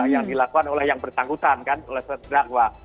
yang dilakukan oleh yang bertanggutan kan oleh seterakwa